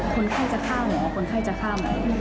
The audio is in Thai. คนไข้จะฆ่าหมอคนไข้จะฆ่าหมาย